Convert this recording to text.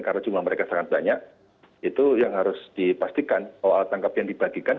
karena cuma mereka sangat banyak itu yang harus dipastikan kalau alat tangkap yang dibagikan